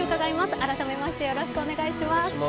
あらためましてよろしくお願いします。